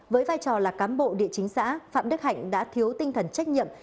với vai trò là cán bộ địa chính xã phạm đức hạnh đã thiếu tinh thần trách nhiệm